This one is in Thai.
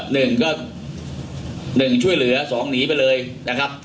หนึ่งก็หนึ่งช่วยเหลือสองหนีไปเลยนะครับ